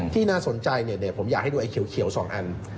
น่าสนใจผมอยากให้ดูไอเขียว๒อัน